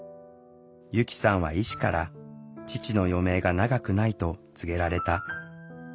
由希さんは医師から父の余命が長くないと告げられた。